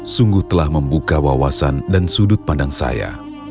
sungguh telah membuka wawasan dan sudut pandang saya